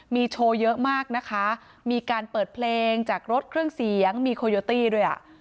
มีโชว์เยอะมากนะคะมีการเปิดเพลงจากรถเครื่องเสียงมีโคโยตี้ด้วยอ่ะ